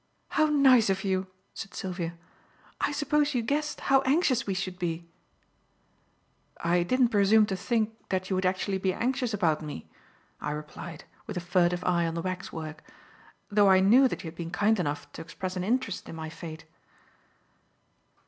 "How nice of you," said Sylvia. "I suppose you guessed how anxious we should be?" "I didn't presume to think that you would actually be anxious about me," I replied, with a furtive eye on the waxwork, "though I knew that you had been kind enough to express an interest in my fate."